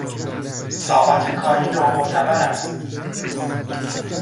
ساعات کاری نامعتبر است